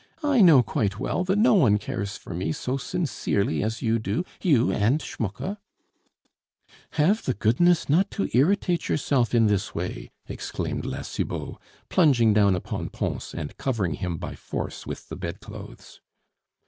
I know quite well that no one cares for me so sincerely as you do, you and Schmucke " "Have the goodness not to irritate yourself in this way!" exclaimed La Cibot, plunging down upon Pons and covering him by force with the bedclothes.